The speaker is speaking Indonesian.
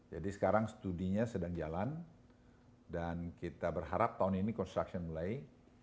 jadi sekarang studinya sedang jalan dan kita berharap tahun ini construction mulai